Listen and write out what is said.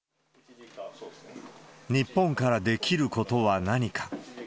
日本からできることは何か。